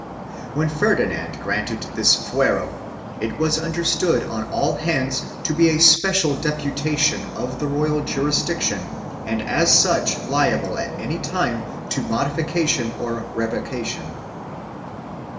When Ferdinand granted this fuero it was understood on all hands to be a special deputation of the royal jurisdiction and as such liable at any time to modification or revocation.